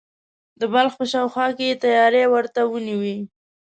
د بلخ په شاوخوا کې یې تیاری ورته ونیوی.